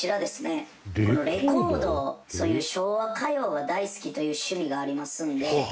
そういう昭和歌謡が大好きという趣味がありますんで。